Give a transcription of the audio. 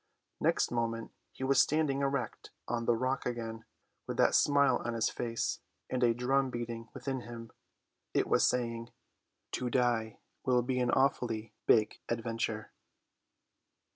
Next moment he was standing erect on the rock again, with that smile on his face and a drum beating within him. It was saying, "To die will be an awfully big adventure."